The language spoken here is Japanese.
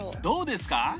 どうですか？